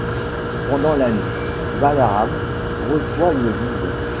Pendant la nuit, Balaam reçoit une vision.